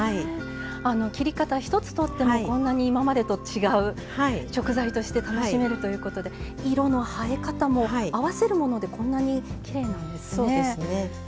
切り方一つとってもこんなに今までと違う食材として楽しめるということで色の映え方も合わせるものでこんなにきれいなんですね。